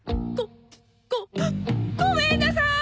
ごごごめんなさーい！